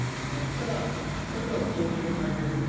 ただ、これでは動機の解明ですね。